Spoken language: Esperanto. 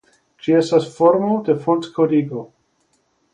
Ĝi estas formo de fontkodigo.